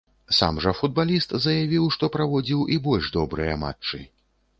Сам жа футбаліст заявіў, што праводзіў і больш добрыя матчы.